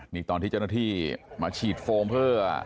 นี่ตอนที่เจ้าหน้าที่มาฉีดโฟมเพื่อ